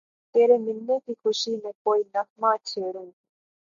تیرے ملنے کی خوشی میں کوئی نغمہ چھیڑوں